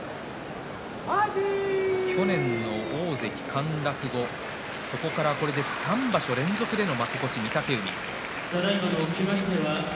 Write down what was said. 去年の大関陥落後これで３場所連続の負け越しです御嶽海。